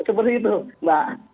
seperti itu mbak